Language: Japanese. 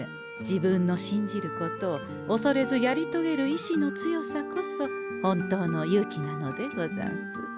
自分の信じることをおそれずやりとげる意志の強さこそ本当の勇気なのでござんす。